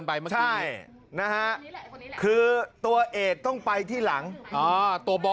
นะฮะคือตัวเอกต้องไปที่หลังอ๋อตัว